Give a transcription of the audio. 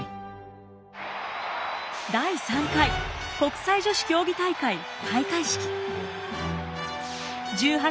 第３回国際女子競技大会開会式。